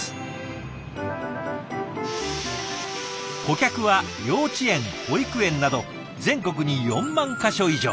顧客は幼稚園保育園など全国に４万か所以上。